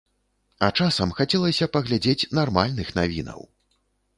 А часам хацелася паглядзець нармальных навінаў.